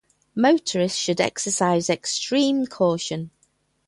Motorists should exercise extreme caution.